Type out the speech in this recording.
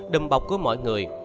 đùm bọc của mọi người